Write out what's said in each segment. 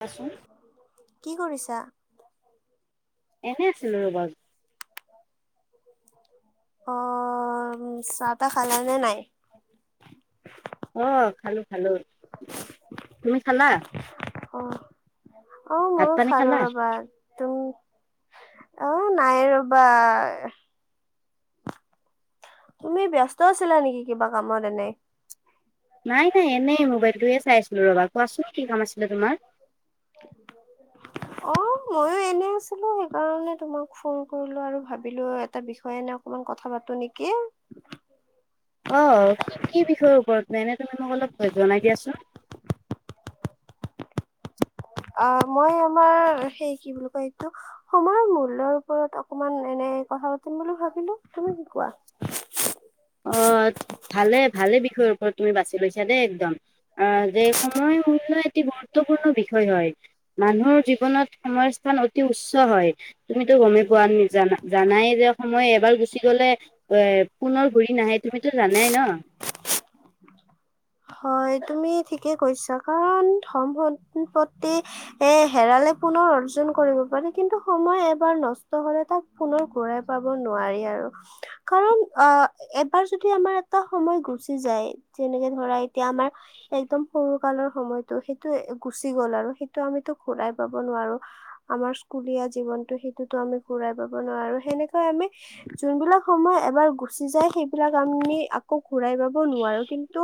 কোৱাচোন কি কৰিছা? এনেই আছিলো ৰ'ব। অ চাহটাহ খালে নে নাই? আহ খালো খালো তুমি খালা। অঁ। অ ভাত ময়ো পানী খালো খালা ৰবা তুম। অ নাই ৰবা তুমি ব্যস্ত আছিলা নেকি কিবা কামত এনে নাই নাই এনেই ম'বাইল দুইয়ে চাইছিল ৰবা কোৱাচোন কি কাম আছিল? [inaudible] অ ময়ো এনে আছিলো সেইকাৰণে তোমাক ফোন কৰিলো আৰু ভাবিলো এটা বিষয়ে এনে অকমান কথা পাতো নেকি? অ কি কি বিষয়ৰ ওপৰত ম এনে তুমি মোক অলপ জনাই দিয়াচোন? অ মই আমাৰ সেই কি বুলি কয় এইটো সময়ৰ মূল্যৰ ওপৰত অকমান এনে কথা পাতিম বুলি ভাবিলো তুমি কি কোৱা? অ ভালে ভালে বিষয়ৰ ওপৰত তুমি বাছি লৈছা দেই একদম। আহ যে সময় মূল্য এটি গুৰুত্বপূৰ্ণ বিষয় হয় মানুহৰ জীৱনত সময় অতি উচ্চ হয়। তুমিতো গমেই পোৱা নি জানা জানাই যে সময় এবাৰ গুচি গ'লে এ পুনৰ ঘুৰি নাহে তুমিতো জানাই ন- হয় তুমি ঠিকে কৈছা কাৰণ সম সম্পত্তি এ হেৰালেে পুনৰ অৰ্জন কৰিব পাৰেি কিন্তু সময় সময়ৰৰ নষ্ট হলে তাক পুনৰ ঘূৰাই পাব নোৱাৰি আৰু কাৰণ অ এবাৰ যদি আমাৰ এটা সময় গুচি যায় যেনেকে ধৰা এতিয়া আমাৰ একদম সৰু কালৰ সময়তটো সেইটো গুচি গ'ল আৰু সেইটো আমি ঘূই পাব নোৱাৰো আমাৰ স্কুলীয়া জীৱনতটো আমি ঘুৰাই পাব নোৱাৰো সেনেকৈ আমি যোনবিলাক সময় এবাৰ গুচি যায় সেইবিলাক আমি আকৌ ঘুৰাই পাব নোৱাৰো কিন্তু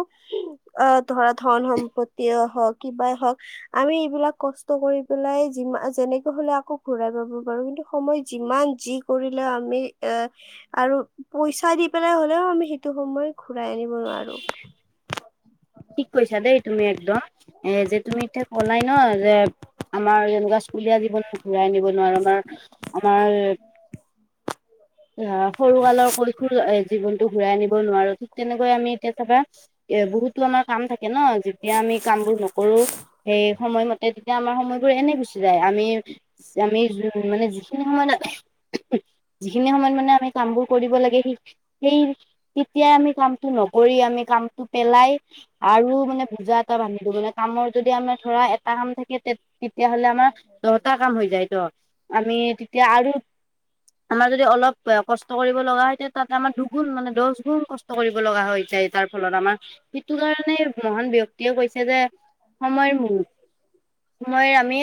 আহ ধৰা ধন সম্পত্তি হওক কিবাই হওক আমি এইবিলাক কষ্ট কৰি পেলাই যি যেনেকে হলে আকৌ ঘূৰাই পাব পাৰো কিন্তু সময় যিমান যি কৰিলেও আমি এ আৰু পইচা দি পেলাই হলেও আমি সেইটো সময় ঘূৰাই আনিব নোৱাৰো ঠিক কৈছা দেই তুমি একদম এ যে তুমি এতিয়া কলাই ন যে আমাৰ যেনেকুৱা স্কুলীয়া জীৱনটো ঘূৰাই আ নিব নোৱাৰো আমাৰ আমাৰ সৰুকালৰ কৈশোৰ জীৱনটো ঘূৰাই আনব নোৱাৰো। তেনেকৈ আমি এতিয়া চাবা এ বহুত- তো আমাৰ কাম থাকে ন যেতিয়া আমি কাম বোৰ নকৰো সেই সময়মতে তেতিয়া আমাৰ সময়। এনে গুচি যায় আমি আমি মানে যিখিনি সময়ত যিখিনি সময়ত মানে আমি কামবোৰ কৰিব লাগে সি সেই তেতিয়াই আমি কামটো নকৰি আমি কামটো পেলাই আৰু মানে ভূজা এটা বান্ধিলো মানে কামৰ যদি আমাৰ ধৰা এটা কাম থাকে তেতিয়াহলে আমাৰ দহটা কাম হৈ যায়ত আমি এতিয়া আৰু আমাৰ যদি অলপ কষ্ট কৰিব লগা হয় তেতিয়া তাত আমাৰ দুগুণ মানে দহ গুণ কষ্ট কৰিব লগা হৈ যায় তাৰ ফলত আমাৰ সেটো কাৰণে মহান ব্যক্তিয়ে কৈছে যে সময়ৰ মূল সময়ৰ আমি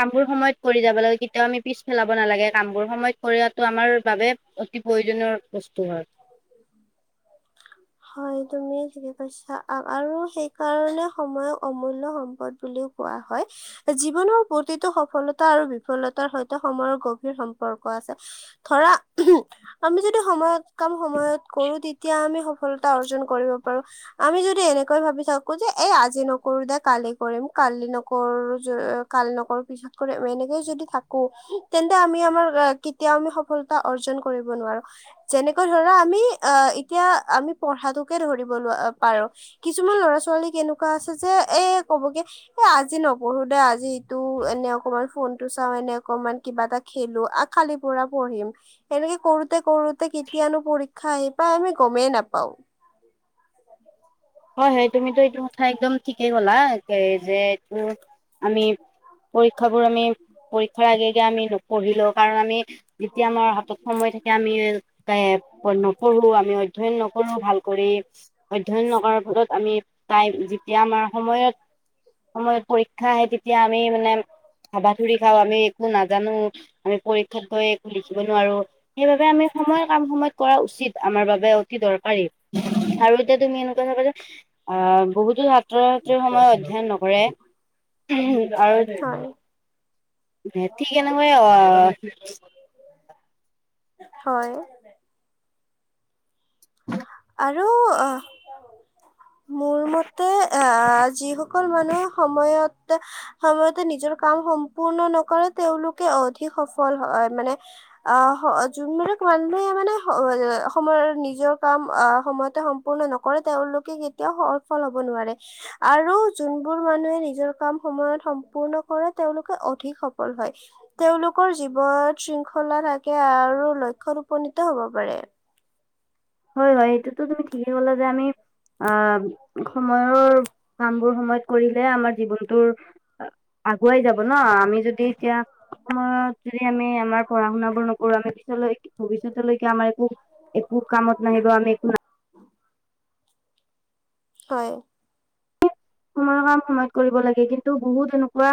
কামবোৰ সময়ত কৰি যাব কৰিবলৈ তেতিয়া আমি পিছ পেলাব নালাগে কামবোৰ সময়ত কৰিটো আমাৰ বাবে অতি প্ৰয়োজনীয় বস্তু হয়। হয় তুমিয়ে ঠিকে কৈছা আৰু সেইকাৰণে সময়ক অমূল্য সম্পদ বুলিও কোৱা হয় জীৱনৰ প্ৰতিটো সফলতা আৰু বিফলতাৰ সৈতে সময়ৰ গভীৰ সম্পৰ্ক আছে ধৰা আমি যদি সময়ত কাম সময়ত কৰো তেতিয়া আমি সফলতা অৰ্জন কৰিব পাৰো আমি যদি এনেকৈ ভাবি থাকো যে এই আজি নকৰো দে কালি কৰিম কালি নকৰো কালি নকৰো পিছত কৰি আ এনেকে যদি থাকো তেন্তে আমি আমাৰ কেতিয়াও আমি সফলতা অৰ্জন কৰিব নোৱাৰো যেনেকৈ ধৰা আমি অ এতিয়া আমি পঢ়াতোকে ধৰি পাৰ, কিছুমান ল'ৰা। ছোৱালী কেনেকুৱা আছে যে এ কবগে, এ আজি নপঢ়ো দে আজি ইটো এনে অকমান ফোন টো চাও এনে। অকমান কিবা এটা খেলো আ খালি পৰা পঢ়িম এনেকে কৰোতে কৰোতে কেতিয়ানো পৰীক্ষা আহি পাই আমি গমেই নাপাও। হয় হয় তুমিতো এইটো কথা একদম ঠিকেই ক'লা যে এইটো আমি পৰীক্ষাবোৰ আমি পৰীক্ষাৰ আগে আগে আমি নপঢ়িলেওঁ কাৰণে। যেতিয়া আমাৰ হাতত সময় থাকে আমি এ নপঢ়ো আমি অধ্যয়ন নকৰো ভাল কৰি। অধ্যয়ন নকৰ। আমি টাইম যেতিয়া আমাৰ সময়ত, সময়ত পৰীক্ষা আহে তেতিয়া আমি মানে হাবাথুৰি খাওঁ আমি একো নাজানো আমি পৰীক্ষাত গৈ একো লিখিব নোৱাৰো। সেইবাবে আমি সময়ৰ কাম সময়ত। কৰা উচিত আমাৰ বাবে অতি দৰকাৰী, আৰু এতিয়া তুমি এনেকুৱা থাকা যে। অহ, বহুতো ছাত্ৰ ছাত্ৰী সময়ত অধ্যয়ন নকৰে। হয় আৰু? ঠি কেনেকৈ অহ। হয়। আৰু অহ। মোৰ মতে আ যিসকল মানুহ সময়ত। সময়তে নিজৰ কাম সম্পূৰ্ণ নকৰে তেওঁলোকে অধিক সফল হয় মানে আহ হ যোনবিলাক মানুহে মানে সময়ৰ নিজৰ কাম। আহ সময়তে সম্পূৰ্ণ নকৰে তেওঁলোকে কেতিয়াও সফল হব নোৱাৰে আৰু যোনবোৰ মানুহে নিজৰ কাম সময়ত সম্পূৰ্ণ কৰে তেওঁলোকে অধিক সফল হয়। তেওঁলোকৰ জীৱ শৃংখলা থাকে আৰু লক্ষ্যত উপনীত হব পাৰে। হয় হয়, এইটোতো তুমি ঠিকেই ক'লা যে আমি। অ সময়ৰ কাম। সময়ত কৰিলে আমাৰ জীৱনটো আ। আগুৱাই যাব ন, আমি যদি এতিয়া, আমাৰ। যদি আমি আমাৰ পঢ়া শুনাবোৰ নকৰো আমি পিছলৈ ভৱিষ্যতলৈকে আমাৰ। একো। কামত নাহিব আমি একো। হয়। সময়ৰ কাম সময়ত কৰিব লাগে কিন্তু বহুত এনেকুৱা।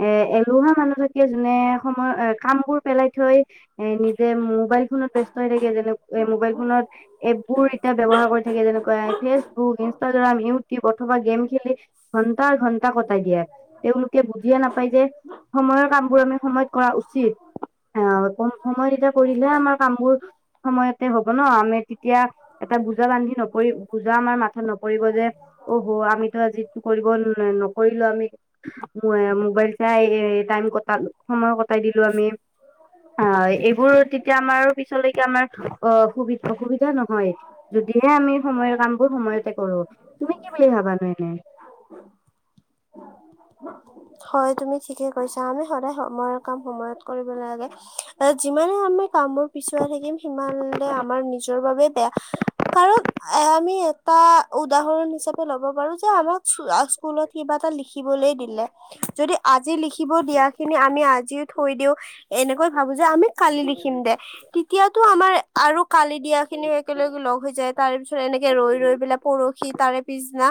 কোৱা এ এলোহা মানুহ। যেতিয়া যোনে সময় এ কাম বোৰ পেলাই থৈ। এ নিজে মোবাইল ফোনত ব্যস্ত হৈ থাকে যেনে এ মোবাইল ফোনত এপ বোৰ এতিয়া ব্যয়ৱহাৰ কৰি থাকে যেনেকুৱা ফেচবুক, ইনষ্টাগ্ৰাম, ইউটিউব অথবা গেম। [unintelligible] ঘণ্টা ঘণ্টা। এটা কটাই দিয়ে। তেওঁলোকে বুজিয়ে নাপায় যে সময়ৰ কাম বোৰ আমি সময়ত কৰা উচিত, আহ সময়ত এতিয়া কৰি থাকিলেহে আমাৰ কাম বোৰ সময়তে হ'ব ন আমি তেতিয়া এটা বুজা বান্ধি নপৰি বুজা আমাৰ মাথাত নপৰিব যে, অহঃ আমিতো আজি কৰিব নকৰিলো আমি, মোবাইল চাই টাইম কটালো, সময় কটাই দিলো আমি, আহ এইবোৰ তেতিয়া আমাৰ পিছলৈকে আমাৰ অ সুবি অসুবিধা নহয়, যদিহে আমি সময়ৰ কাম বোৰ সময়তে কৰো, তুমি কি বুলি ভাবানো এনে? হয় তুমি ঠিকে কৈছা আমি সদায় সময়ৰ কাম সময়ত কৰিব লাগে। যিমানে আমি। কামবোৰ পিছুৱাই থাকিম সিমানে আমাৰ নিজৰ বাবে। কাৰণ এ আমি এটা উদাহৰণ হিচাপে ল'ব পাৰো যে আমাক স্কুলত কিবা এটা লিখা লিখিবলৈ দিলে যদি আজি লিখিব দিয়া খিনি আমি আজিও থৈ দিও এনেকৈ ভাবো যে আমি কালি লিখিম দে তেতিয়াতো আমাৰ আৰু কালি দিয়া খিনিও একেলগে লগ হৈ যায় তাৰ পিছত এনেকে ৰৈ ৰৈ পেলাই পৰহি তাৰে পিছদিনা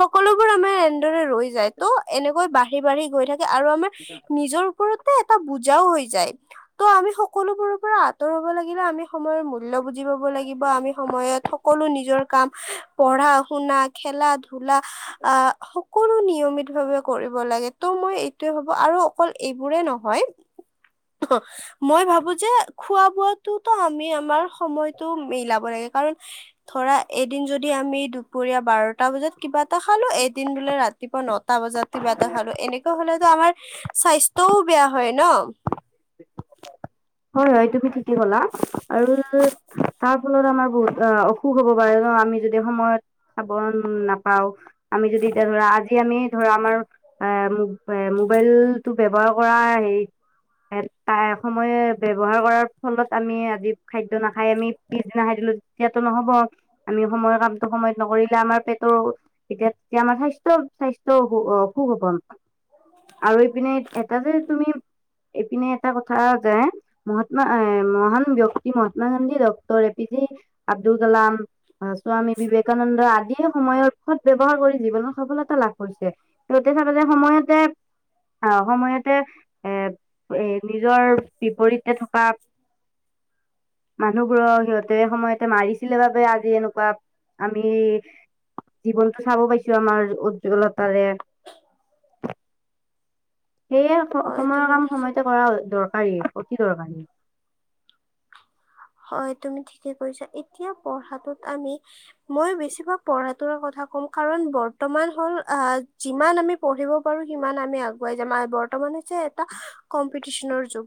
সকলোবোৰ আমাৰ এনেদৰে ৰৈ যায় তো এনেকৈ বাঢ়ি বাঢ়ি গৈ থাকে আৰু আমাৰ নিজৰ ওপৰতে এটা বুজাও হৈ হৈছে [unintelligible] যায় ত' আমি সকলোবোৰৰ পৰা আঁতৰ হব লাগিলে আমি [unintelligible] সময়ৰ মূল্য বুজি পাব লাগিব আমি সময়ত সকলো নিজৰ কাম পঢ়া শুনা খেলা ধ [unintelligible] ধূলা আহ কোনো নিয়মিত ভে কৰিব লাগে ত' মই এইটোয়ে ভাবো আৰু অকল এইবোৰে নহয় মই ভাবো যে খোৱা বোৱাতটোতো আমি আমাৰ সময়তটো মিলাব লাগে কাৰণ [unintelligible] ধৰা এদিন যদি আমি দুপৰীয়া বাৰটা বজাত কিবা খালো এদিন বোলে ৰাতিপুৱা ন বজাতা এটা খালো এনেকুৱা' আমাৰ স্বাস্থ্যও বেয়া হয় ন হয় হয় তুমি ঠিকেই কলা আৰু তাৰ ফলত আমাৰ বহুত অসুখ হ'ব পাৰে ন আমি যদি সময়ত চাবোন নাপাও [unintelligible] আমি যদি এতিয়া ধৰা আজি আমি [unintelligible] ধৰা আমাৰ এ এ মোবাইল টো ব্যৱহাৰ কৰা হে এটা সময়ত [unintelligible] ব্য্ৱহাৰ কৰাৰ ফলত আমি আজি খাদ্য নাখাই আমি পিছদিনা খাই দিলো তেতিয়াতো নহব আমি সময়ৰ কামটো সময়ত নকৰিলে আমাৰ পেটৰ তেতিয়া তেতিয়া আমাৰ স্বাস্থ্য স্বাস্থ্য অসুখ হব আৰু ইপিনে এটা যে তুমি ইপিনে এটা কথা যে [unintelligible] মহাত্মা মহান ব্যক্তি Mahatma Gandhi doctor A P J Abdul Kalam আহ স্বামী বিবেকানন্দ আদিয়ে সময়ৰ সদ ব্যৱহাৰ কৰি জীৱনত সফলতা লাভ কৰিছে সতে চাবে সময়তে আহ সময়তে এ এ নিজৰ বিপৰীত [unintelligible] থকা মানুহবোৰৰ সিহঁতে সময়ত মাৰিছিলে বাবে আজি এনেকুৱা আমি জীৱনটো চাব পাইছো আমাৰ উজ্জ্বলতাৰে [unintelligible] সেয়ে হয় সময়ৰ তুমি কাম ঠিকে সময়তে কৰা দৰকাৰী চান [unintelligible] হয় তুমি ঠিকে কৈছা এতিয়া ক কাৰ বৰ্তমান হল যিমান আমি পঢ়িব পাৰো সিমান আমি আগুৱাই যাম বৰ্তমান এ কম্পিটিচনৰ যোগ [unintelligible]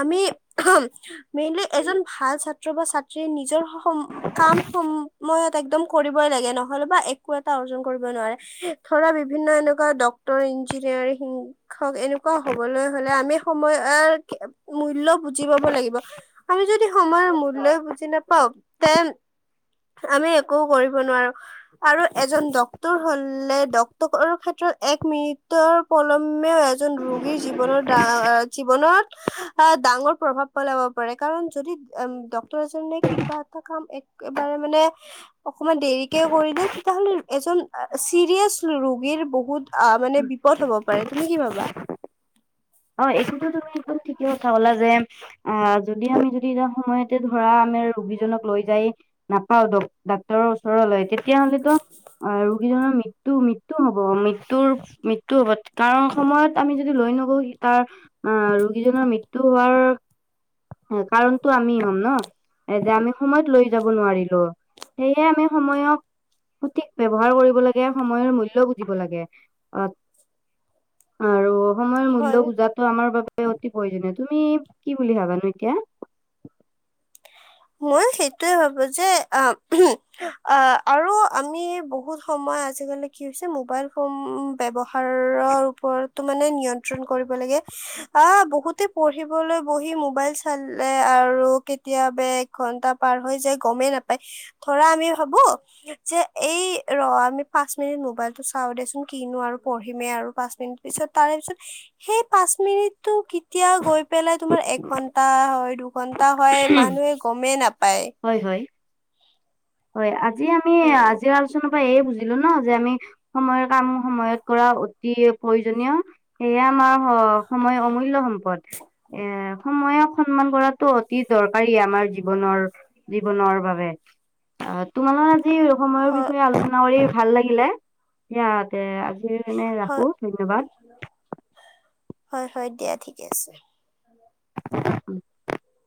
আমি সেই মেইনলি [unintelligible] এজন ভাল ছাত্ৰ বা ছাত্ৰীয়ে নিজৰ [unintelligible] কাম সমই একদম কৰিবই লাগে নহলে বা একো এটা অৰ্জন কৰিব নোৱাৰে ধৰা বিভিন্ন এনেকুৱা ড্ক্তৰ ইঞ্জিনিয়াৰ শিক্ষক এনেকুৱা হবলৈ হলে আমি সময়ৰ মূল্য বুজি পাব লাগিব আমি যদি [unintelligible] সময় মূল্যয় বুজি নাপাও তে আমি একো কৰিব নোৱাৰো আৰু [unintelligible] এজন ডক্তৰ হলে ডক্টৰ ক্ষেত্ৰত এক মিনিটৰ প্ৰলম্বেও এজন ৰোগীৰ জীৱনৰা জীৱনত ডাঙৰ প্ৰভাৱ পেলাব পাৰে [unintelligible] কাৰণ যদি ডক্তৰ এজনে কিবা এটা কাম একেবাৰে মানে অকমান দেৰিকে কৰিলে, তেতিয়াহলে এজন চিৰিয়াচ ৰোগীৰ বহুত [unintelligible] অ মানে বিপদ হব পাৰে। তুমি কি পাবা? অ এইটোতো তুমি একদম ঠিকে কথা কলা যে, আহ যদি আমি যদি এটা সময়তে ধৰা আমাৰ ৰোগীজনক লৈ যাই নাপাও ডাক্তৰৰ ওচৰলৈ তেতিয়াহলেতো, অ ৰোগীজনৰ মৃত্যু মৃত্যু হব মৃত্যুৰ মৃত্যু হব কাৰণ সময়ত আমি যদি লৈ নগো তাৰ, আহ ৰোগীজনৰ মৃত্যু হোৱাৰ কাৰণ ত আমি হ'ম ন। এ যে আমি সময়ত লৈ যাব নোৱাৰিলো, সেয়ে আমি সময়ক সঠিক ব্যৱহাৰ কৰিব লাগে, সময়ৰ মূল্য বুজিব লাগে অ আৰু সময়ৰ মূল্য হয় টো আমাৰ বাবে অতি প্ৰয়োজনীয়। তুমি কি বুলি ভাবানো এতিয়া? মই সেইটোয়ে ভাবো যে অ আৰু আমি বহুত সময় আজিকালি কি হৈছে, মোবাইল ফোন ব্যৱহাৰৰ ওপৰতো মানে নিয়ন্ত্ৰণ কৰিব লাগে, আহ বহুতে পঢ়িবলৈ বহি মোবাইল চালে আৰু কেতিয়াবা ঘন্টা পাৰ হৈ যে গমেই নাপায়, ধৰা আমি ভাবো যে এই ৰ আমি পাঁচ মিনিট মোবাইল টো চাও দেচোন কিনো আৰু পঢ়িমেই আৰু পাঁচ মিনিট পিছত তাৰে পিছত, সেই পাঁচ মিনিটটো কেতিয়া গৈ পেলাই তোমাৰ এঘন্টা হয় দুঘন্টা টা হয় মানুহে মেন আপ হয় হয়। হয় আ আজি আমি, উম আজিৰ আলোচনা ত এই বুজিলো ন যে আমি সময়ৰ কাম সময়ত কৰা অতি প্ৰয়োজনীয়, সেয়া আমাৰ সময় অমূল্য সম্প পদ, এ সময়ক সন্মান কৰাটো অতি দৰকাৰী আমাৰ জীৱনৰ জীৱনৰ বাবে। অ তোমাল সে সময়ৰ হয় বিষয়ে আলোচনা কৰি ভাল লাগিলে, ইয়াতে সনে হয় ৰাখো ধন্যবাদ। হয় হয় দিয়া ঠিকে আছে। [inaudible]